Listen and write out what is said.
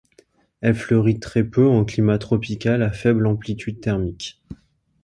Elle fleurit très peu en climat tropical à faible amplitude thermique.